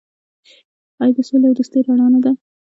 آیا د سولې او دوستۍ رڼا نه ده؟